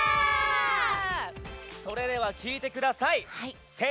それでは、聴いてください。